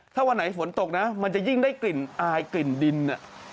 ถ้าวันไหนฝนตกนะมันจะยิ่งได้กลิ่นอายกลิ่นดิน